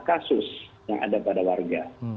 kasus yang ada pada warga